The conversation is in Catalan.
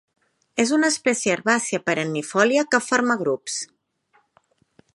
És una espècie herbàcia perennifòlia que forma grups.